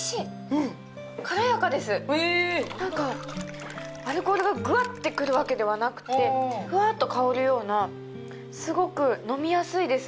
軽やかですなんかへえアルコールがぐわって来るわけではなくってふわっと香るようなすごく飲みやすいです